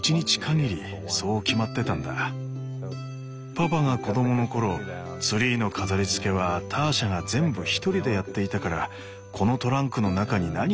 パパが子供の頃ツリーの飾りつけはターシャが全部１人でやっていたからこのトランクの中に何が入っているのか